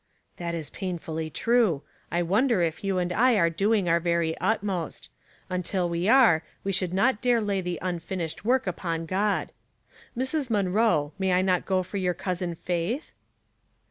" That is painfully true. I wonder if you and I are doing our very utmost. Until we are, we 260 Household Puzzles, should not dare lay the unfinished work upon God. Mrs. Munroe, may I not go for your Cousin Faith